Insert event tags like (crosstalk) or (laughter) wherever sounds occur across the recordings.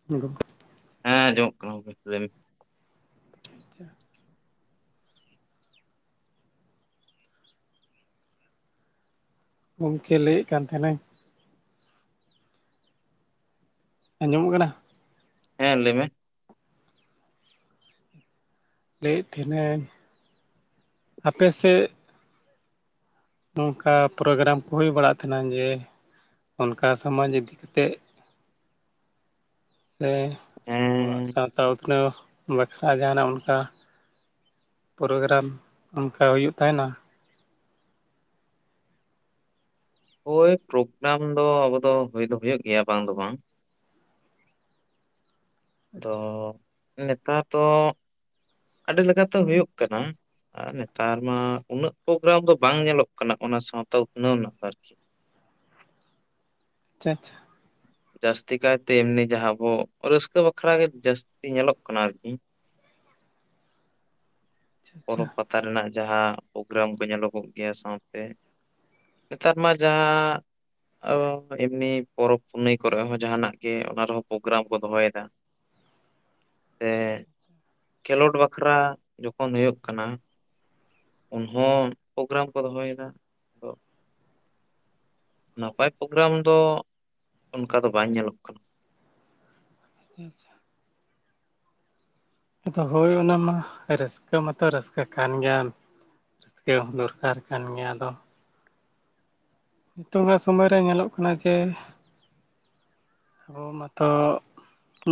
(unintelligible) ᱦᱮᱸ ᱟᱸᱡᱚᱢᱚᱜ ᱠᱟᱱᱟ ᱜᱚᱝᱠᱮ ᱞᱟᱹᱭ ᱢᱮ ᱵᱤᱱ (inaudible) ᱜᱚᱢᱠᱮ ᱞᱟᱹᱭᱮᱫ ᱠᱟᱱ ᱛᱟᱦᱮᱱᱟᱹᱧ ᱟᱸᱡᱚᱢᱚᱜ ᱠᱟᱱᱟ ᱦᱮᱸ ᱞᱟᱹᱭ ᱢᱮ ᱞᱟᱹᱭᱮᱜ ᱛᱷᱮ ᱱᱟᱹᱧ ᱟᱯᱮᱥᱮᱜ ᱾ ᱱᱚᱝᱠᱟ ᱯᱨᱳᱜᱨᱟᱢ ᱠᱚ ᱦᱩᱭ ᱵᱟᱲᱟᱜ ᱛᱟᱦᱮᱱᱟ ᱡᱮ ᱚᱱᱠᱟ ᱥᱚᱢᱟᱡᱽ ᱤᱫᱤ ᱠᱟᱛᱮᱫ ᱟᱵᱚᱣᱟᱜ ᱦᱮᱸ ᱥᱟᱶᱛᱟ ᱩᱛᱱᱟᱹᱣ ᱵᱟᱠᱷᱨᱟ ᱡᱟᱦᱟᱱᱟᱜ ᱚᱱᱠᱟ ᱯᱨᱳᱜᱨᱟᱢ ᱚᱱᱠᱟ ᱦᱩᱭᱩᱜ ᱛᱟᱦᱮᱱᱟ ᱳᱭ ᱯᱨᱳᱜᱨᱟᱢ ᱫᱚ ᱟᱵᱚ ᱫᱚ ᱦᱳᱭ ᱫᱚ ᱦᱳᱭᱳᱜ ᱜᱮᱭᱟ ᱵᱟᱝ ᱫᱚ ᱵᱟᱝ ᱟᱫᱚ ᱟᱪᱪᱷᱟ ᱱᱮᱛᱟᱨ ᱛᱚ ᱟᱹᱰᱤ ᱞᱮᱠᱟᱛᱮ ᱦᱳᱭᱳᱜ ᱠᱟᱱᱟ ᱾ ᱟᱨ ᱱᱮᱛᱟᱨ ᱢᱟ ᱩᱱᱟᱹᱜ ᱯᱨᱳᱜᱨᱟᱢ ᱫᱚ ᱵᱟᱝ ᱧᱮᱞᱚᱜ ᱠᱟᱱᱟ ᱚᱱᱟ ᱥᱟᱶᱛᱟ ᱩᱛᱱᱟᱹᱣ ᱱᱟᱯᱟᱨᱠᱤ ᱾ ᱟᱪᱪᱷᱟ ᱪᱪᱷᱟ ᱡᱟᱹᱥᱛᱤ ᱠᱟᱭᱛᱮ ᱮᱢᱱᱤ ᱡᱟᱦᱟᱸᱵᱚ ᱨᱟᱹᱥᱠᱟᱹ ᱵᱟᱠᱷᱨᱟ ᱜᱮ ᱡᱟᱹᱥᱛᱤ ᱧᱮᱞᱚᱜ ᱠᱟᱱᱟ ᱟᱨᱠᱤ ᱾ ᱯᱚᱨᱚᱵᱽ ᱯᱟᱛᱟ ᱨᱮᱱᱟᱜ ᱡᱟᱦᱟᱸ ᱯᱳᱜᱨᱟᱢ ᱠᱚ ᱧᱮᱞᱚᱜᱚᱜ ᱜᱮᱭᱟ ᱥᱟᱶ ᱛᱮ ᱱᱮᱛᱟᱨ ᱢᱟ ᱡᱟᱦᱟᱸ ᱮᱢᱱᱤ ᱯᱚᱨᱚᱵᱽ ᱯᱩᱱᱟᱹᱭ ᱠᱚᱨᱮ ᱦᱚᱸ ᱡᱟᱦᱱᱟᱜ ᱜᱮ ᱚᱱᱟ ᱨᱮᱦᱚᱸ ᱯᱳᱜᱨᱟᱢ ᱠᱚ ᱫᱚᱦᱚᱭᱮᱫᱟ ᱦᱮᱸ ᱟᱪᱪᱷᱟ ᱠᱷᱮᱞᱳᱰ ᱵᱟᱠᱷᱨᱟ ᱛᱚᱠᱷᱚᱱ ᱦᱩᱭᱩᱜ ᱠᱟᱱᱟ ᱩᱱᱦᱚᱸ ᱯᱳᱜᱨᱟᱢ ᱠᱚ ᱫᱚᱦᱚᱭᱮᱫᱟ ᱟᱫᱚ ᱟᱪᱪᱷᱟ ᱱᱟᱯᱟᱭ ᱯᱨᱳᱜᱨᱟᱢ ᱫᱚ ᱚᱱᱠᱟ ᱫᱚ ᱵᱟᱝ ᱧᱮᱞᱚᱜ ᱠᱟᱱᱟ ᱟᱪᱪᱷᱟ ᱟᱪᱪᱷᱟ ᱟᱫᱚ ᱦᱳᱭ ᱚᱱᱟ ᱢᱟ ᱨᱟᱹᱥᱠᱟᱹ ᱢᱟᱛᱚ ᱨᱟᱹᱥᱠᱟᱹ ᱠᱟᱱ ᱜᱮᱭᱟ ᱨᱟᱹᱥᱠᱟᱹ ᱦᱚᱸ ᱫᱚᱨᱠᱟᱨ ᱠᱟᱱ ᱜᱮᱭᱟ ᱟᱫᱚ ᱱᱤᱛᱚᱝ ᱚᱱᱟ ᱥᱳᱢᱚᱭ ᱨᱮ ᱧᱮᱞᱚᱜ ᱠᱟᱱᱟ ᱡᱮ ᱟᱵᱚ ᱢᱟᱛᱚ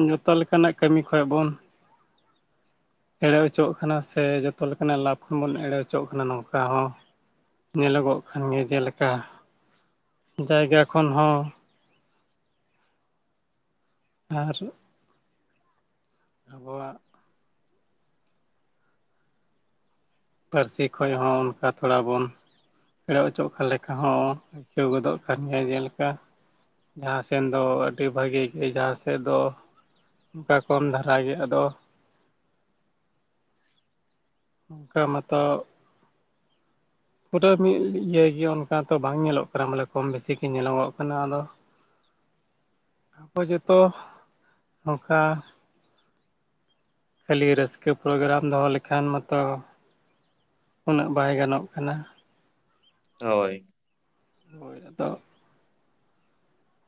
ᱡᱚᱛᱚ ᱞᱮᱠᱟᱱᱟᱜ ᱠᱟᱹᱢᱤ ᱠᱷᱚᱡ ᱵᱚᱱ ᱮᱲᱮ ᱚᱪᱚᱜ ᱠᱟᱱᱟ ᱥᱮ ᱡᱚᱛᱷᱚ ᱞᱮᱠᱟᱱᱟᱜ ᱞᱟᱵᱷ ᱠᱷᱚᱱ ᱵᱚᱱ ᱮᱲᱮ ᱚᱪᱚᱜ ᱠᱟᱱᱟ ᱱᱚᱝᱠᱟ ᱦᱚᱸ ᱾ ᱧᱮᱞᱚᱜᱚᱜ ᱠᱟᱱ ᱜᱮᱭᱟ ᱡᱮᱞᱮᱠᱟ ᱡᱟᱭᱜᱟ ᱠᱷᱚᱱ ᱦᱚᱸ ᱾ ᱟᱨ ᱟᱵᱚᱣᱟᱜ ᱯᱟᱹᱨᱥᱤ ᱠᱷᱚᱱ ᱦᱚᱸ ᱚᱱᱠᱟ ᱛᱷᱚᱲᱟ ᱵᱚᱱ ᱮᱲᱮ ᱚᱪᱚᱜ ᱠᱟᱱ ᱞᱮᱠᱟ ᱦᱚᱸ ᱟᱹᱭᱠᱟᱹᱣ ᱜᱚᱫᱚᱜ ᱠᱟᱱ ᱜᱮᱭᱟ ᱡᱮᱞᱮᱠᱟ ᱡᱟᱦᱟᱸ ᱥᱮᱱ ᱫᱚ ᱟᱹᱰᱤ ᱵᱷᱟᱜᱤ ᱜᱮ ᱡᱟᱦᱟᱸ ᱥᱮᱫ ᱫᱚ ᱚᱱᱠᱟ ᱠᱚᱢ ᱫᱷᱟᱨᱟ ᱜᱮ ᱟᱫᱚ ᱚᱱᱠᱟ ᱢᱟᱛᱚ ᱯᱩᱨᱟ ᱢᱤᱫ ᱤᱭᱟᱹ ᱤᱭᱟᱹ ᱚᱱᱠᱟ ᱛᱚ ᱵᱟᱝ ᱧᱮᱞᱚᱜ ᱠᱟᱱᱟ ᱵᱚᱞᱮ ᱠᱚᱢ ᱵᱮᱥᱤ ᱜᱮ ᱧᱮᱞᱚᱜᱚᱜ ᱠᱟᱱᱟ ᱟᱫᱚ (inaudible) ᱟᱵᱚ ᱡᱚᱛᱚ ᱱᱚᱝᱠᱟ ᱠᱷᱟᱹᱞᱤ ᱨᱟᱹᱥᱠᱟᱹ ᱯᱨᱳᱜᱨᱟᱢ ᱫᱚᱦᱚ ᱞᱮᱠᱷᱟᱱ ᱢᱟᱛᱚ ᱩᱱᱟᱹᱜ ᱵᱟᱭ ᱜᱟᱱᱚᱜ ᱠᱟᱱᱟ ᱦᱳᱭ ᱦᱳᱭ ᱟᱫᱚ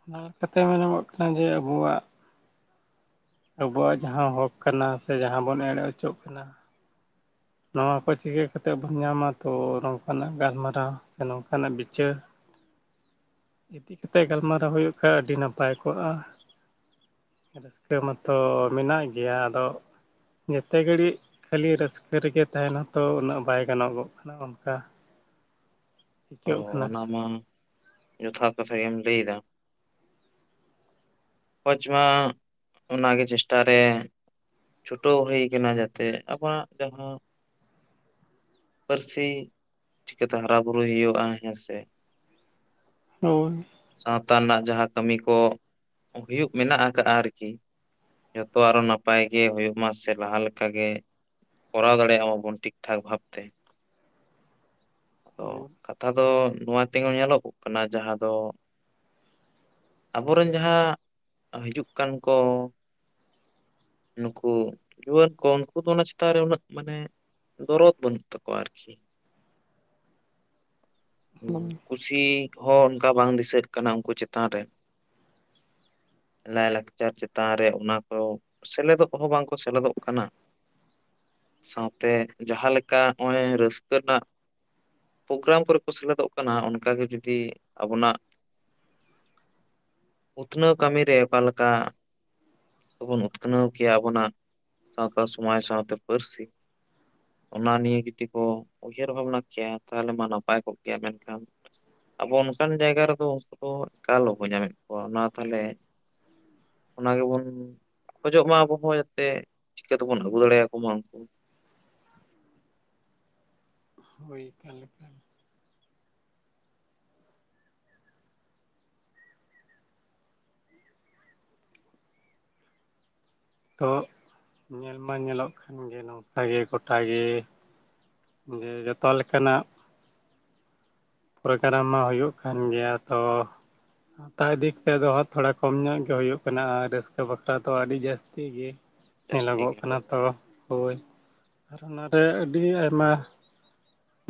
ᱚᱱᱟ ᱞᱮᱠᱟ ᱛᱮ ᱢᱮᱱᱚᱜᱚᱜ ᱠᱟᱱᱟ ᱡᱮ ᱟᱵᱚᱣᱟᱜ ᱟᱵᱚᱣᱟᱜ ᱡᱟᱦᱟᱸ ᱦᱚᱠ ᱠᱟᱱᱟ ᱥᱮ ᱡᱟᱦᱟᱸ ᱵᱚᱱ ᱮᱲᱮ ᱚᱪᱚᱜ ᱠᱟᱱᱟ ᱱᱚᱣᱟ ᱠᱚ ᱪᱤᱠᱟᱹ ᱠᱟᱛᱮᱜ ᱵᱩᱱ ᱧᱟᱢᱟ ᱛᱚ ᱱᱚᱝ ᱠᱟᱱᱟᱜ ᱜᱟᱞᱢᱟᱨᱟᱣ ᱥᱮ ᱱᱚᱝ ᱠᱟᱱᱟᱜ ᱵᱤᱪᱟᱹᱨ (inaudible) ᱤᱫᱤ ᱠᱟᱛᱮ ᱜᱟᱞᱢᱟᱨᱟᱣ ᱦᱩᱭᱩᱜ ᱠᱷᱟᱱ ᱟᱹᱰᱤ ᱱᱟᱯᱟᱭ ᱠᱚᱜᱼᱟ ᱨᱟᱹᱥᱠᱟᱹ ᱢᱟᱛᱚ ᱢᱮᱱᱟᱜ ᱜᱮᱭᱟ ᱟᱫᱚ ᱡᱮᱛᱮ ᱜᱷᱟᱹᱲᱤᱡ ᱠᱷᱟᱹᱞᱤ ᱨᱟᱹᱥᱠᱟᱹ ᱨᱟᱹᱥᱠᱟᱹ ᱨᱮᱜᱮ ᱛᱟᱦᱮᱱ ᱦᱚᱸᱛᱚ ᱩᱱᱟᱹᱜ ᱵᱟᱭ ᱜᱟᱱᱚᱜᱚᱜ ᱠᱟᱱᱟ ᱚᱱᱠᱟ ᱟᱹᱭᱠᱟᱹᱜ ᱚᱸ ᱠᱟᱱᱟ ᱚᱱᱟ ᱢᱟ ᱡᱚᱛᱷᱟᱛ ᱠᱟᱛᱷᱟ ᱜᱮᱢ ᱞᱟᱹᱭᱫᱟ ᱚᱠᱚᱭ ᱪᱚᱦᱟᱜ ᱚᱱᱟ ᱜᱮ ᱪᱮᱥᱴᱟ ᱨᱮ ᱪᱷᱩᱴᱟᱹᱣ ᱦᱩᱭ ᱠᱟᱱᱟ ᱡᱟᱛᱮ ᱟᱵᱚᱣᱟᱜ ᱡᱟᱦᱟᱸ ᱯᱟᱹᱨᱥᱤ ᱪᱤᱠᱟᱹ ᱛᱮ ᱦᱟᱨᱟ ᱵᱩᱨᱩᱭ ᱦᱩᱭᱩᱜᱼᱟ (unintelligible) ᱦᱳᱭ ᱥᱟᱶᱛᱟ ᱨᱮᱱᱟᱜ ᱡᱟᱦᱟᱸ ᱠᱟᱹᱢᱤ ᱠᱚ ᱦᱩᱭᱩᱜ ᱢᱮᱱᱟᱜ ᱟᱠᱟᱫᱼᱟ ᱟᱨᱠᱤ ᱡᱚᱛᱚ ᱟᱨᱚ ᱱᱟᱯᱟᱭ ᱜᱮ ᱦᱩᱭᱩᱜ ᱢᱟ ᱥᱮ ᱞᱟᱦᱟ ᱞᱮᱠᱟ ᱜᱮ ᱠᱚᱨᱟᱣ ᱫᱟᱲᱮᱭᱟᱜ ᱢᱟ ᱵᱚᱱ ᱴᱷᱤᱠᱼᱴᱷᱟᱠ ᱵᱷᱟᱵ ᱛᱮ ᱟᱫᱚ ᱦᱳᱭ ᱠᱟᱛᱷᱟ ᱫᱚ ᱱᱚᱣᱟ ᱛᱮᱜᱮ ᱧᱮᱞᱚᱜᱚᱜ ᱠᱟᱱᱟ ᱡᱟᱦᱟᱸ ᱫᱚ ᱟᱵᱚ ᱨᱮᱱ ᱡᱟᱦᱟᱸ ᱦᱤᱡᱩᱜ ᱠᱟᱱ ᱠᱚ ᱱᱩᱠᱩ ᱡᱩᱣᱟᱹᱱ ᱠᱚ ᱩᱱᱠᱩ ᱫᱚ ᱚᱱᱟ ᱪᱮᱛᱟᱱ ᱨᱮ ᱩᱱᱟᱹᱜ ᱢᱟᱱᱮ ᱫᱚᱨᱚᱫ ᱵᱟᱹᱱᱩᱜ ᱛᱟᱠᱚᱣᱟ ᱟᱨᱠᱤ ᱦᱩᱸ ᱦᱳᱭ ᱠᱩᱥᱤ ᱦᱚᱸ ᱚᱱᱠᱟ ᱵᱟᱝ ᱫᱤᱥᱟᱹᱜ ᱠᱟᱱᱟ ᱩᱱᱠᱩ ᱪᱮᱛᱟᱱ ᱨᱮ ᱞᱟᱭ ᱞᱟᱠᱪᱟᱨ ᱪᱮᱛᱟᱱ ᱨᱮ ᱚᱱᱟ ᱠᱚ ᱥᱮᱞᱮᱫᱚᱜ ᱦᱚᱸ ᱵᱟᱝ ᱠᱚ ᱥᱮᱞᱮᱫᱚᱜ ᱠᱟᱱᱟ ᱥᱟᱶᱛᱮ ᱡᱟᱦᱟᱸ ᱞᱮᱠᱟ ᱱᱚᱜᱼᱚᱭ ᱨᱟᱹᱥᱠᱟᱹ ᱨᱮᱱᱟᱜ ᱯᱨᱳᱜᱨᱟᱢ ᱠᱚᱨᱮ ᱠᱚ ᱥᱮᱞᱮᱫᱚᱜ ᱠᱟᱱᱟ ᱚᱱᱠᱟᱜ ᱜᱮ ᱡᱩᱫᱤ ᱟᱵᱚᱱᱟᱜ ᱩᱛᱱᱟᱹᱣ ᱠᱟᱹᱢᱤ ᱨᱮ ᱚᱠᱟ ᱞᱮᱠᱟ ᱫᱚᱵᱚᱱ ᱩᱛᱱᱟᱹᱣ ᱩᱛᱱᱟᱹᱣ ᱠᱮᱭᱟ ᱟᱵᱚᱱᱟᱜ ᱥᱟᱶᱛᱟ ᱥᱚᱢᱟᱡᱽ ᱥᱟᱶᱛᱮ ᱯᱟᱹᱨᱥᱤ ᱚᱱᱟ ᱱᱤᱭᱮ ᱡᱩᱫᱤ ᱠᱚ ᱩᱭᱦᱟᱹᱨ ᱵᱷᱟᱵᱽᱱᱟ ᱠᱮᱭᱟ ᱛᱟᱦᱚᱞᱮ ᱢᱟ ᱱᱟᱯᱟᱭ ᱠᱚᱜ ᱠᱮᱭᱟ ᱢᱮᱱᱠᱷᱟᱱ ᱟᱵᱚ ᱚᱱᱠᱟᱱ ᱡᱟᱭᱜᱟ ᱨᱮᱫᱚ ᱩᱱᱠᱩ ᱫᱚ ᱮᱠᱟᱞ ᱵᱟᱵᱚ ᱧᱟᱢᱮᱫ ᱠᱚᱣᱟ ᱚᱱᱟ ᱛᱟᱦᱚᱞᱮ ᱚᱱᱟ ᱜᱮᱵᱚᱱ ᱠᱷᱚᱡᱚᱜ ᱢᱟ ᱟᱵᱚ ᱦᱚᱸ ᱡᱮᱛᱮ ᱪᱤᱠᱟᱹ ᱛᱮᱵᱚᱱ ᱟᱹᱜᱩ ᱫᱟᱲᱮᱭᱟᱠᱚ ᱢᱟ ᱩᱱᱠᱩ ᱦᱩᱭᱩᱜ ᱠᱟᱱᱟ ᱛᱚ ᱧᱮᱞ ᱢᱟ ᱧᱮᱞᱚᱜ ᱠᱷᱟᱱ ᱜᱮ ᱱᱚᱝᱠᱮ ᱜᱚᱴᱟ ᱜᱮ ᱡᱮ ᱡᱚᱛᱚ ᱞᱮᱠᱟᱱᱟᱜ ᱯᱨᱳᱜᱨᱟᱢ ᱢᱟ ᱦᱩᱭᱩᱜ ᱠᱟᱱ ᱜᱮᱭᱟ ᱛᱚ ᱦᱟᱛᱟᱣ ᱫᱤᱠ ᱛᱮᱫᱚ ᱛᱷᱚᱲᱟ ᱠᱚᱢ ᱧᱚᱜ ᱜᱮ ᱦᱩᱭᱩᱜ ᱠᱟᱱᱟ ᱟᱨ ᱨᱟᱹᱥᱠᱟᱹ ᱵᱟᱠᱷᱨᱟ ᱛᱚ ᱟᱹᱰᱤ ᱡᱟᱹᱥᱛᱤ ᱜᱮ ᱡᱟᱹᱥᱛᱤ ᱧᱮᱞᱚᱜᱚᱜ ᱜᱮ ᱠᱟᱱᱟ ᱛᱚ ᱦᱳᱭ ᱟᱨ ᱚᱱᱟ ᱨᱮ ᱟᱹᱰᱤ ᱟᱭᱢᱟ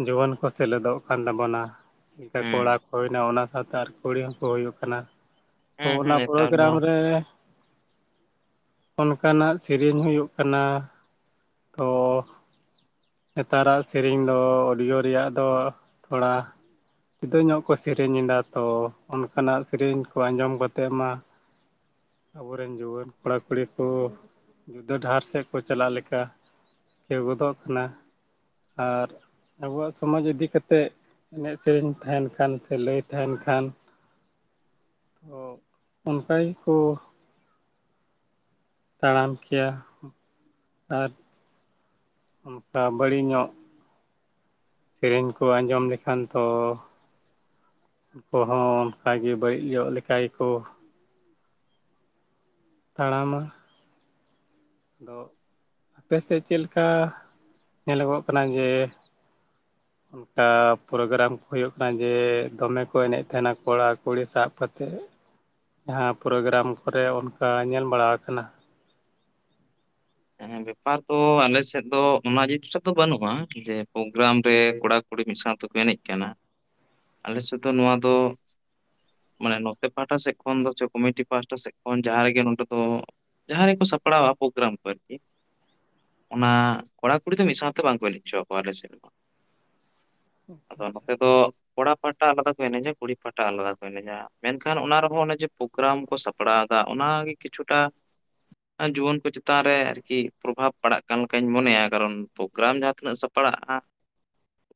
ᱡᱩᱣᱟᱹᱱ ᱠᱚ ᱥᱮᱞᱮᱫᱚᱜ ᱠᱟᱱ ᱛᱟᱵᱚᱱᱟ ᱠᱚᱲᱟ ᱦᱮᱸ ᱠᱚ ᱦᱩᱭ ᱮᱱᱟ ᱳᱳᱳ᱾ ᱥᱟᱶᱛᱮ ᱟᱨ ᱠᱩᱲᱤ ᱦᱚᱸᱠᱚ ᱦᱩᱭᱩᱜ ᱠᱟᱱᱟ ᱛᱚ ᱦᱮᱸ ᱦᱮᱸ ᱚᱱᱟ ᱱᱮᱛᱟᱨ ᱢᱟ ᱯᱨᱳᱜᱨᱟᱢ ᱨᱮ ᱚᱱᱠᱟᱱᱟᱜ ᱥᱤᱨᱤᱧ ᱦᱩᱭᱩᱜ ᱠᱟᱱᱟ ᱛᱚ ᱱᱮᱛᱟᱨᱟᱜ ᱥᱮᱨᱮᱧ ᱫᱚ ᱚᱰᱤᱭᱳ ᱨᱮᱭᱟᱜ ᱫᱚ ᱛᱷᱚᱲᱟ ᱡᱩᱫᱟᱹ ᱧᱚᱜ ᱠᱚ ᱥᱮᱨᱮᱧ ᱮᱫᱟ ᱛᱚ ᱚᱱᱠᱟᱱᱟᱜ ᱥᱮᱨᱮᱧ ᱠᱚ ᱟᱸᱡᱚᱢ ᱠᱟᱛᱮᱫ ᱢᱟ (inaudible) ᱟᱵᱚᱨᱮᱱ ᱡᱩᱣᱟᱹᱱ ᱠᱚᱲᱟ ᱠᱩᱲᱤ ᱠᱚ ᱡᱩᱫᱟᱹ ᱰᱟᱦᱟᱨ ᱥᱮᱫ ᱠᱚ ᱪᱟᱞᱟᱜ ᱞᱮᱠᱟ ᱪᱮᱣ ᱜᱚᱫᱚᱜ ᱠᱟᱱᱟ ᱟᱨ ᱟᱵᱚᱣᱟᱜ ᱥᱚᱢᱟᱡᱽ ᱤᱫᱤ ᱠᱟᱛᱮᱫ ᱮᱱᱮᱡ ᱥᱮᱨᱮᱧ ᱛᱟᱦᱮᱱ ᱠᱷᱟᱱ ᱥᱮ ᱞᱟᱹᱭ ᱛᱟᱦᱮᱱ ᱠᱷᱟᱱ (unintelligible) ᱛᱚ ᱚᱱᱠᱟ ᱜᱮᱠᱚ ᱛᱟᱲᱟᱢ ᱠᱮᱭᱟ ᱟᱨ ᱚᱱᱠᱟ ᱵᱟᱹᱲᱤᱡ ᱧᱚᱜ ᱥᱮᱨᱮᱧ ᱠᱚ ᱟᱸᱡᱚᱢ ᱞᱮᱠᱷᱟᱱ ᱛᱚ ᱠᱚ ᱦᱚᱸ ᱚᱱᱠᱟ ᱜᱮ ᱵᱟᱹᱲᱤᱡ ᱡᱚᱜ ᱞᱮᱠᱟ ᱜᱮᱠᱚ ᱛᱟᱲᱟᱢᱟ ᱟᱫᱚ ᱟᱯᱮ ᱥᱮᱫ ᱪᱮᱫ ᱞᱮᱠᱟ ᱧᱮᱞᱚᱜᱚᱜ ᱠᱟᱱᱟ ᱡᱮ (inaudible) ᱚᱱᱠᱟ ᱯᱨᱳᱜᱨᱟᱢ ᱠᱚ ᱦᱩᱭᱩᱜ ᱠᱟᱱᱟ ᱡᱮ ᱫᱚᱢᱮ ᱠᱚ ᱮᱱᱮᱡ ᱛᱟᱦᱮᱱᱟ ᱠᱚᱲᱟ ᱠᱩᱲᱤ ᱥᱟᱵ ᱠᱟᱛᱮᱫ ᱡᱟᱦᱟᱸ ᱯᱨᱳᱜᱨᱟᱢ ᱠᱚᱨᱮ ᱚᱱᱠᱟ ᱧᱮᱞ ᱵᱟᱲᱟ ᱟᱠᱟᱱᱟ ᱦᱮᱸ ᱵᱮᱯᱟᱨ ᱫᱚ ᱟᱞᱮ ᱥᱮᱫ ᱫᱚ ᱚᱱᱟ ᱡᱤᱱᱤᱥ ᱛᱮᱫ ᱫᱚ ᱵᱟᱹᱱᱩᱜᱼᱟ ᱡᱮ ᱯᱨᱳᱜᱨᱟᱢ ᱨᱮ ᱠᱚᱲᱟ ᱠᱩᱲᱤ ᱢᱤᱫ ᱥᱟᱶ ᱛᱮᱠᱚ ᱮᱱᱮᱡ ᱠᱟᱱᱟ ᱟᱞᱮ ᱥᱮᱫ ᱫᱚ ᱱᱚᱣᱟ ᱫᱚ ᱢᱟᱱᱮ ᱱᱚᱛᱮ ᱯᱟᱦᱴᱟ ᱥᱮᱫ ᱠᱷᱚᱱ ᱫᱚ ᱪᱮ ᱠᱚᱢᱤᱴᱤ ᱯᱟᱦᱴᱟ ᱥᱮᱫ ᱠᱷᱚᱱ ᱡᱟᱦᱟᱸ ᱨᱮᱜᱮ ᱱᱚᱰᱮ ᱫᱚ ᱡᱟᱸᱦᱟ ᱨᱮᱠᱚ ᱥᱟᱯᱲᱟᱣᱟ ᱯᱨᱳᱜᱨᱟᱢ ᱠᱚᱨᱮ ᱚᱱᱟ ᱠᱚᱲᱟ ᱠᱩᱲᱤ ᱫᱚ ᱢᱤᱫ ᱥᱟᱶᱛᱮ ᱵᱟᱝᱠᱚ ᱮᱱᱮᱡ ᱦᱚᱪᱚ ᱣᱟᱠᱚᱣᱟ ᱟᱞᱮ ᱥᱮᱫ ᱢᱟ ᱟᱪᱪᱷᱟ ᱟᱫᱚ ᱟᱪᱪᱷᱟ ᱱᱚᱛᱮ ᱫᱚ ᱠᱚᱲᱟ ᱯᱟᱦᱴᱟ ᱟᱞᱟᱫᱟ ᱠᱚ ᱮᱱᱮᱡᱟ ᱠᱩᱲᱤ ᱯᱟᱦᱴᱟ ᱟᱞᱟᱫᱟ ᱠᱚ ᱮᱱᱮᱡᱼᱟ ᱢᱮᱱᱠᱷᱟᱱ ᱚᱱᱟ ᱨᱮᱦᱚᱸ ᱚᱱᱮ ᱡᱮ ᱯᱨᱳᱜᱨᱟᱢ ᱠᱚ ᱥᱟᱯᱲᱟᱣ ᱮᱫᱟ ᱚᱱᱟᱜᱮ ᱠᱤᱪᱷᱩᱴᱟ ᱡᱩᱣᱟᱹᱱ ᱠᱚ ᱪᱮᱛᱟᱱ ᱨᱮ ᱟᱨ ᱠᱤ ᱠᱤ ᱯᱨᱚᱵᱷᱟᱵᱽ ᱯᱟᱲᱟᱜ ᱠᱟᱱ ᱞᱮᱠᱟᱧ ᱢᱚᱱᱮᱭᱟ ᱠᱟᱨᱚᱱ ᱯᱨᱳᱜᱨᱟᱢ ᱡᱟᱦᱟᱸ ᱛᱤᱱᱟᱹᱜ ᱥᱟᱯᱲᱟᱜᱼᱟ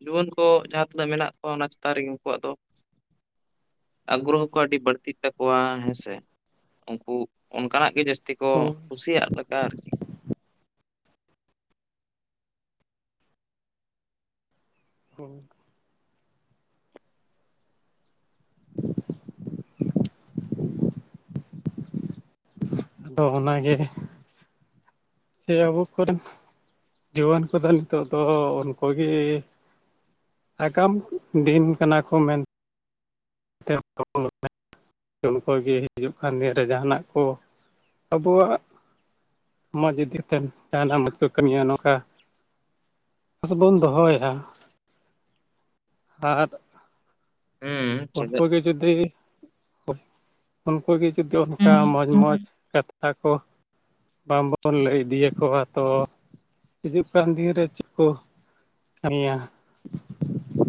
ᱡᱩᱣᱟᱹᱱ ᱠᱚ ᱡᱟᱦᱟᱸ ᱛᱤᱱᱟᱹᱜ ᱢᱮᱱᱟᱜ ᱠᱚᱣᱟ ᱚᱱᱟ ᱪᱮᱛᱟᱱ ᱨᱮᱜᱮ ᱩᱱᱠᱩᱣᱟᱜ ᱫᱚ ᱟᱜᱨᱚ ᱦᱚᱸ ᱟᱹᱰᱤ ᱵᱟᱹᱲᱛᱤᱜ ᱛᱟᱠᱚᱣᱟ ᱦᱮᱸᱥᱮ ᱩᱱᱠᱩ ᱚᱱᱠᱟᱱᱟᱜ ᱜᱮ ᱡᱟᱹᱥᱛᱤ ᱛᱮ ᱠᱚ ᱦᱳᱭ ᱠᱩᱥᱤᱭᱟᱜ ᱞᱮᱠᱟ ᱟᱨ ᱠᱤ ᱦᱚᱝ ᱟᱫᱚ ᱚᱱᱟᱜᱮ ᱥᱮ ᱟᱵᱚ ᱠᱚᱨᱮ ᱡᱩᱣᱟᱹᱱ ᱠᱚᱫᱚ ᱱᱤᱛᱚᱜ ᱫᱚ ᱩᱱᱠᱩ ᱜᱤ ᱟᱜᱟᱢ ᱫᱤᱱ ᱠᱟᱱᱟ ᱠᱚ ᱢᱮᱱ ᱩᱱᱠᱚ ᱜᱮ ᱦᱤᱡᱩᱜ ᱠᱟᱱ ᱫᱤᱱ ᱨᱮ ᱡᱟᱦᱟᱱᱟᱜ ᱠᱚ ᱟᱵᱚᱣᱟᱜ ᱥᱚᱢᱚᱡᱽ ᱤᱫᱤᱛᱮ ᱡᱟᱦᱟᱱᱟᱜ ᱢᱚᱡᱽ ᱠᱚ ᱠᱟᱹᱢᱤᱭᱟ ᱱᱚᱝᱠᱟ ᱟᱸᱥ ᱵᱚᱱ ᱫᱚᱦᱚᱭᱮᱜ-ᱟ ᱟ-ᱟᱫ ᱦᱩᱸ ᱩᱱᱠᱩ ᱪᱮᱫᱟᱜ ᱜᱤ ᱡᱩᱫᱤ ᱩᱱᱠᱩ ᱜᱤ ᱡᱩᱫᱤ ᱚᱱᱠᱟ ᱢᱚᱡᱽ ᱢᱚᱡᱽ ᱠᱟᱛᱷ ᱦᱟᱹᱠᱩ ᱵᱟᱝᱵᱚᱱ ᱞᱟᱹᱭ ᱤᱫᱤᱭᱟᱠᱚᱣᱟ ᱛᱚ ᱦᱤᱡᱩᱜ ᱠᱟᱱ ᱫᱤᱭᱮ ᱪᱮᱫ ᱠᱚ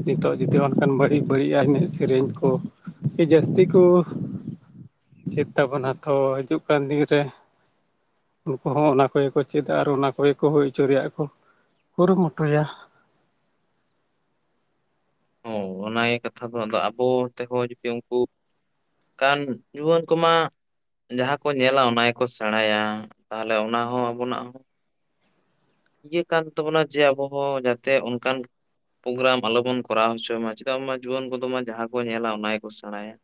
ᱱᱤᱛᱚᱜ ᱡᱩᱫᱤ ᱚᱱᱠᱟᱱ ᱵᱟᱹᱲᱤᱡ ᱵᱟᱹᱲᱤᱡᱟᱜ ᱮᱱᱮᱢ ᱥᱤᱼ ᱥᱮᱨᱮᱧ ᱠᱚ ᱡᱟᱹᱥᱛᱤ ᱠᱚ ᱪᱮᱫᱛᱟ ᱵᱚᱱ (unintelligible) ᱦᱤᱡᱩᱜ ᱠᱟᱱ ᱫᱤᱱ ᱨᱮ ᱩᱱᱠᱩ ᱦᱚᱸ ᱚᱱᱟ ᱠᱚᱜᱮ ᱠᱚ ᱪᱮᱫᱟ ᱟᱨ ᱚᱱᱟ ᱠᱚᱜᱮ ᱠᱚ ᱦᱩᱭ ᱚᱪᱚ ᱨᱮᱭᱟᱜ ᱠᱚ ᱠᱩᱨᱩᱢᱩᱴᱩᱭᱟ ᱦᱚᱸ ᱚᱱᱟ ᱜᱮ ᱠᱟᱛᱷᱟ ᱫᱚ ᱟᱫᱚ ᱟᱵᱚ ᱛᱮᱦᱚᱸ ᱡᱩᱫᱤ ᱩᱱᱠᱩ ᱠᱟᱱ ᱡᱩᱣᱟᱹᱱ ᱠᱚᱢᱟ ᱡᱟᱦᱟᱸ ᱠᱚ ᱧᱮᱞᱟ ᱚᱱᱟ ᱜᱮᱠᱚ ᱥᱮᱬᱟᱭᱟ ᱛᱟᱦᱚᱞᱮ ᱚᱱᱟ ᱦᱚᱸ ᱟᱵᱚᱱᱟᱜ ᱤᱭᱟᱹ ᱠᱟᱱ ᱛᱟᱵᱚᱱᱟ ᱡᱮ ᱟᱵᱚ ᱦᱚᱸ ᱡᱟᱛᱮ ᱚᱱᱠᱟᱱ ᱯᱨᱳᱜᱨᱟᱢ ᱟᱞᱚᱵᱚᱱ ᱠᱚᱨᱟᱣ ᱦᱚᱪᱚᱭ ᱢᱟ ᱪᱮᱫᱟᱜ ᱢᱟ ᱡᱩᱣᱟᱹᱱ ᱠᱚᱫᱚ ᱢᱟ ᱡᱟᱦᱟᱸ ᱠᱚ ᱧᱮᱞᱟ ᱚᱱᱟ ᱜᱮᱠᱚ ᱥᱮᱬᱟᱭᱟ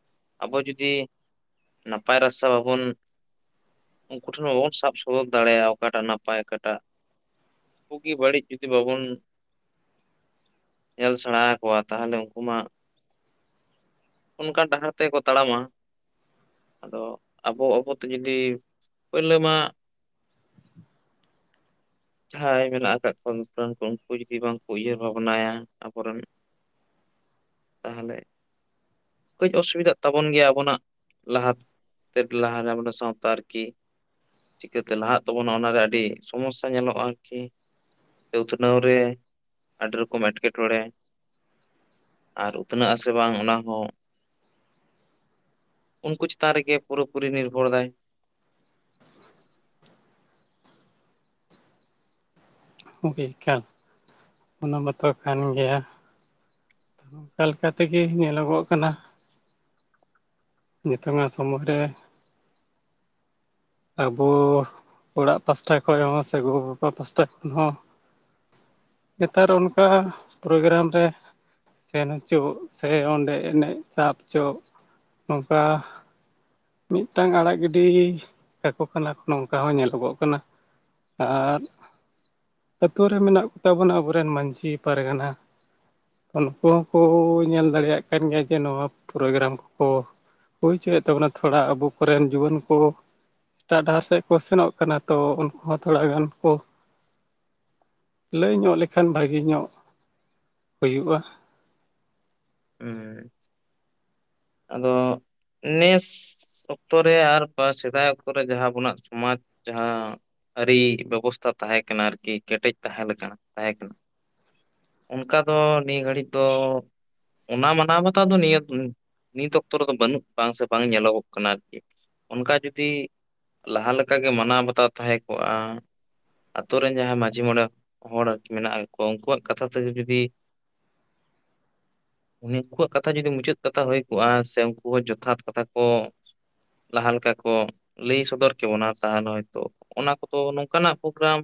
ᱟᱵᱚ ᱡᱩᱫᱤ ᱱᱟᱯᱟᱭ ᱨᱟᱥᱟ ᱵᱟᱵᱚᱱ ᱩᱱᱠᱩ ᱴᱷᱮᱱ ᱦᱚᱸ ᱵᱟᱵᱚᱱ ᱥᱟᱵ ᱥᱚᱫᱚᱨ ᱫᱟᱲᱮᱭᱟᱜ-ᱟ ᱚᱠᱟᱴᱟᱜ ᱱᱟᱯᱟᱭ ᱚᱠᱟᱴᱟᱜ ᱵᱩᱜᱤ ᱵᱟᱹᱲᱤᱡ ᱡᱩᱫᱤ ᱵᱟᱵᱚᱱ ᱧᱮᱞ ᱥᱮᱲᱟᱸ ᱟᱠᱚᱣᱟ ᱛᱟᱦᱚᱞᱮ ᱩᱱᱠᱩ ᱢᱟ ᱚᱱᱠᱟ ᱰᱟᱦᱟᱨ ᱛᱮᱠᱚ ᱛᱟᱲᱟᱢᱟ ᱟᱫᱚ ᱟᱵᱚ ᱵᱟᱵᱚ ᱛᱮ ᱡᱩᱫᱤ ᱯᱳᱭᱞᱳ ᱢᱟ ᱡᱟᱦᱟᱸᱭ ᱢᱮᱱᱟᱜ ᱟᱠᱟᱫ ᱠᱚᱣᱟ ᱫᱩᱛ (unintelligible) ᱨᱟᱱ ᱠᱚ ᱩᱱᱠᱩ ᱡᱩᱫᱤ ᱵᱟᱝᱠᱚ ᱩᱭᱦᱟᱹᱨ ᱵᱷᱟᱵᱱᱟᱭᱟ ᱟᱵᱚᱨᱮᱱ ᱛᱟᱦᱚᱞᱮ ᱠᱟᱹᱡ ᱚᱥᱩᱵᱤᱫᱷᱟᱜ ᱛᱟᱵᱚᱱ ᱜᱮᱭᱟ ᱟᱵᱚᱱᱟᱜ ᱞᱟᱦᱟᱛ ᱞᱟᱦᱟ (unintelligible) ᱮᱵ ᱥᱟᱶᱛᱟ ᱟᱨ ᱠᱤ ᱪᱤᱠᱟᱹᱛᱮ ᱞᱟᱦᱟᱜ ᱛᱟᱵᱚᱱᱟ ᱚᱱᱟᱨᱮ ᱟᱹᱰᱤ ᱥᱚᱢᱚᱥᱥᱟ ᱟ ᱧᱮᱞᱚᱜ-ᱟ ᱠᱤ ᱩᱛᱱᱟᱹᱣ ᱨᱮ ᱟᱹᱰᱤ ᱨᱚᱠᱚᱢ ᱮᱴᱠᱮᱴᱚᱬᱮ ᱟᱨ ᱩᱛᱱᱟᱹᱜ ᱟᱥᱮ ᱵᱟᱝ ᱚᱱᱟ ᱦᱚᱸ ᱩᱱᱠᱩ ᱪᱮᱛᱟᱱ ᱨᱮᱜᱮ ᱯᱩᱨᱟᱹ ᱯᱩᱨᱤ ᱱᱤᱨᱵᱷᱚᱨ ᱮᱫᱟᱭ ᱾ ᱜᱚᱢᱠᱮ ᱮᱠᱟᱞ ᱚᱱᱟ ᱵᱟᱛᱚ ᱠᱟᱱ ᱜᱮᱭᱟ ᱚᱱᱠᱟ ᱞᱮᱠᱟᱛᱮᱜᱮ ᱧᱮᱞᱚᱜᱚᱜ ᱠᱟᱱᱟ ᱱᱤᱛᱚᱝ ᱢᱟ ᱥᱚᱢᱚᱭ ᱨᱮ ᱟᱵᱚ ᱚᱲᱟᱜ ᱯᱟᱥᱴᱟ ᱠᱷᱚᱭ ᱦᱚᱸ ᱥᱮ ᱜᱚ ᱵᱟᱵᱟ ᱯᱟᱥᱴᱟ ᱠᱷᱚᱱ ᱦᱚᱸ ᱱᱮᱛᱟᱨ ᱚᱱᱠᱟ ᱯᱨᱳᱜᱨᱟᱢ ᱨᱮ ᱥᱮᱱ ᱦᱚᱪᱚ ᱥᱮ ᱚᱸᱰᱮ ᱮᱱᱮᱡ ᱥᱟᱵ ᱦᱚᱪᱚ ᱱᱚᱝᱠᱟ ᱢᱤᱫᱴᱟᱝ ᱟᱲᱟᱜ ᱜᱤᱰᱤ ᱟᱠᱚ ᱠᱟᱱᱟᱠᱚ ᱱᱚᱝᱠᱟ ᱦᱚᱸ ᱧᱮᱞᱚᱜᱚᱜ ᱠᱟᱱᱟ ᱟᱨ ᱟᱛᱩ ᱨᱮ ᱢᱮᱱᱟᱜ ᱠᱚᱛᱟ ᱵᱚᱱᱟ ᱟᱵᱚᱨᱮᱱ ᱢᱟᱹᱡᱷᱤ, ᱯᱟᱨᱜᱟᱱᱟ ᱩᱱᱠᱩ ᱦᱚᱸᱠᱚ ᱧᱮᱞ ᱫᱟᱲᱮᱭᱟᱜ ᱠᱟᱱ ᱜᱮᱭᱟ ᱡᱮ ᱱᱚᱣᱟ ᱯᱨᱳᱜᱨᱟᱢ ᱠᱚ ᱦᱩᱭᱪᱚᱭᱮᱫ ᱛᱟᱵᱚᱱᱟ ᱛᱷᱚᱲᱟ ᱟᱵᱚ ᱠᱚᱨᱮᱱ ᱡᱩᱣᱟᱹᱱ ᱠᱚ ᱮᱴᱟᱜ ᱰᱟᱦᱟᱨ ᱥᱮᱫ ᱠᱚ ᱥᱮᱱᱚᱜ ᱠᱟᱱᱟ ᱛᱚ ᱩᱱᱠᱩ ᱦᱚᱸ ᱛᱷᱚᱲᱟ ᱜᱟᱱ ᱠᱚ ᱞᱟᱹᱭ ᱧᱚᱜ ᱞᱮᱠᱷᱟᱱ ᱵᱷᱟᱜᱮ ᱧᱚᱜ ᱦᱩᱭᱩᱜ-ᱟ ᱦᱚᱸ ᱟᱫᱚ ᱱᱮᱥ ᱚᱠᱛᱚ ᱨᱮ ᱟᱨ ᱯᱚᱨ ᱥᱮᱫᱟᱭ ᱚᱠᱛᱚ ᱨᱮ ᱡᱟᱦᱟᱸ ᱟᱵᱚᱱᱟᱜ ᱥᱚᱢᱟᱡᱽ ᱡᱟᱦᱟᱸ ᱟᱹᱨᱤ ᱵᱮᱵᱚᱥᱛᱟ ᱛᱟᱦᱮᱸ ᱠᱟᱱᱟ ᱟᱨᱠᱤ ᱠᱮᱴᱮᱡ ᱛᱟᱦᱮᱸ ᱞᱮᱠᱟ ᱛᱟᱦᱮᱸ ᱠᱟᱱᱟ ᱚᱱᱠᱟ ᱫᱚ ᱱᱤᱭᱟᱹ ᱜᱷᱟᱹᱲᱤᱡ ᱫᱚ ᱚᱱᱟ ᱢᱟᱱᱟᱣ ᱵᱟᱛᱟᱣ ᱫᱚ ᱱᱤᱭᱟᱹ ᱱᱤᱛ ᱚᱠᱛᱚ ᱨᱮᱫᱚ ᱵᱟᱹᱱᱩᱜ ᱵᱟᱝ ᱥᱮ ᱵᱟᱝ ᱧᱮᱞᱚᱜᱚᱜ ᱠᱟᱱᱟ ᱟᱨᱠᱤ ᱚᱱᱠᱟ ᱡᱩᱫᱤ ᱞᱟᱦᱟ ᱞᱮᱠᱟ ᱜᱮ ᱢᱟᱱᱟᱣ ᱵᱟᱛᱟᱣ ᱛᱟᱦᱮᱸ ᱠᱚᱜᱼᱟ ᱟᱹᱛᱩ ᱨᱮᱱ ᱡᱟᱦᱟᱸᱭ ᱢᱟᱹᱡᱷᱤ ᱢᱚᱬᱮ ᱦᱚᱲ ᱢᱮᱱᱟᱜ ᱠᱚ ᱩᱱᱠᱩᱣᱟᱜ ᱠᱟᱛᱷᱟ ᱛᱮᱜᱮ ᱡᱩᱫᱤ ᱩᱱᱠᱩᱣᱟᱜ ᱠᱟᱛᱷᱟ ᱡᱩᱫᱤ ᱢᱩᱪᱟᱹᱫ ᱠᱟᱛᱷᱟ ᱦᱩᱭ ᱠᱚᱜᱼᱟ ᱥᱮ ᱩᱱᱠᱩ ᱦᱚᱸ ᱡᱚᱛᱷᱟᱛ ᱠᱟᱛᱷᱟ ᱠᱚ ᱞᱟᱦᱟ ᱞᱮᱠᱟ ᱠᱚ ᱞᱟᱹᱭ ᱥᱚᱫᱚᱨ ᱠᱮ ᱵᱚᱱᱟ ᱛᱟᱦᱚᱞᱮ ᱦᱚᱭᱛᱚ ᱚᱱᱟ ᱠᱚᱫᱚ ᱱᱚᱝᱠᱟᱱᱟᱜ ᱯᱨᱳᱜᱨᱟᱢ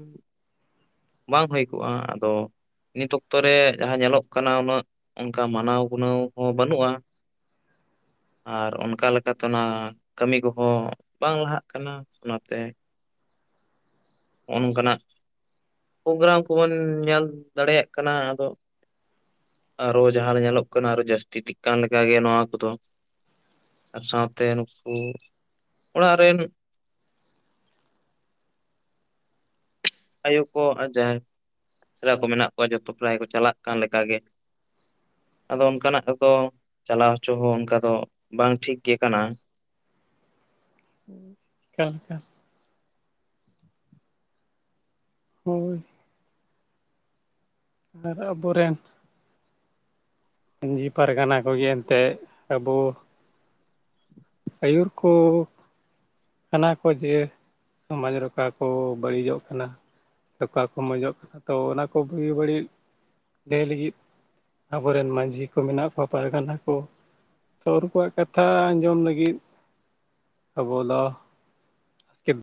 ᱵᱟᱝ ᱦᱩᱭ ᱠᱚᱜᱼᱟ ᱟᱫᱚ ᱱᱤᱛ ᱚᱠᱛᱚ ᱨᱮ ᱡᱟᱦᱟᱸ ᱧᱮᱞᱚᱜ ᱠᱟᱱᱟ ᱩᱱᱟᱹᱜ ᱚᱱᱠᱟ ᱢᱟᱱᱟᱣ ᱜᱩᱱᱟᱹᱣ ᱦᱚᱸ ᱵᱟᱹᱱᱩᱜᱼᱟ ᱟᱨ ᱚᱱᱠᱟ ᱞᱮᱠᱟᱛᱮ ᱚᱱᱟ ᱠᱟᱹᱢᱤ ᱠᱚᱦᱚᱸ ᱵᱟᱝ ᱞᱟᱦᱟᱜ ᱠᱟᱱᱟ ᱚᱱᱟᱛᱮ ᱱᱚᱝᱠᱟᱱᱟᱜ ᱯᱳᱜᱨᱟᱢ ᱠᱚᱵᱚᱱ ᱧᱮᱞ ᱫᱟᱲᱮᱭᱟᱜ ᱠᱟᱱᱟ ᱟᱫᱚ ᱟᱨᱚ ᱡᱟᱦᱟᱸ ᱧᱮᱞᱚᱜ ᱠᱟᱱᱟ ᱟᱨᱚ ᱡᱟᱹᱥᱛᱤ ᱤᱫᱤ ᱠᱟᱱ ᱞᱮᱠᱟᱜᱮ ᱱᱚᱣᱟ ᱠᱚᱫᱚ ᱟᱨ ᱥᱟᱶᱛᱮ ᱱᱩᱠᱩ ᱚᱲᱟᱜ ᱨᱮᱱ ᱟᱭᱳ ᱠᱚ ᱟᱨ ᱡᱟᱦᱟᱭ ᱨᱟ ᱠᱚ ᱢᱮᱱᱟᱜ ᱠᱚᱣᱟ ᱡᱚᱛᱚ ᱯᱨᱟᱭ ᱠᱚ ᱪᱟᱞᱟᱜ ᱠᱟᱱ ᱞᱮᱠᱟᱜ ᱜᱮ ᱟᱫᱚ ᱚᱱᱠᱟᱱᱟᱜ ᱫᱚ ᱪᱟᱞᱟᱣ ᱦᱚᱪᱚ ᱦᱚᱸ ᱚᱱᱠᱟ ᱫᱚ ᱵᱟᱝ ᱴᱷᱤᱠ ᱜᱮ ᱠᱟᱱᱟ ᱦᱮᱸ ᱠᱟᱱ ᱦᱟ ᱦᱳᱭ ᱟᱨᱚ ᱯᱚᱨᱮ ᱢᱟᱹᱡᱷᱤ ᱯᱟᱨᱜᱟᱱᱟ ᱠᱚᱜᱮ ᱮᱱᱛᱮ ᱟᱵᱚ ᱟᱹᱭᱩ ᱠᱩ ᱠᱟᱱᱟ ᱠᱚ ᱡᱮ ᱥᱚᱢᱟᱡ ᱨᱮ ᱠᱟᱜ ᱠᱚ ᱵᱟᱹᱲᱤᱡᱚᱜ ᱠᱟᱱᱟ ᱛᱟᱠᱚ ᱠᱚ ᱢᱚᱡᱚᱜ ᱠᱟᱱᱟ ᱛᱚ ᱚᱱᱟ ᱠᱚ ᱜᱤ ᱵᱟᱹᱲᱤᱡ ᱞᱟᱹᱭ ᱞᱟᱹᱜᱤᱫ ᱟᱵᱚᱨᱮᱱ ᱢᱟᱺᱡᱷᱤ ᱠᱚ ᱢᱮᱱᱟᱜ ᱠᱚᱣᱟ ᱯᱟᱨᱜᱟᱱᱟ ᱠᱚ ᱛᱚ ᱩᱱᱠᱚᱣᱟᱜ ᱠᱟᱛᱷᱟ ᱟᱸᱡᱚᱢ ᱞᱟᱹᱜᱤᱫ ᱟᱵᱚ ᱫᱚ (unintelligible)